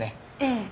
ええ。